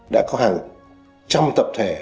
đã có hàng trăm tập thể